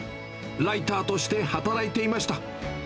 ライターとして働いていました。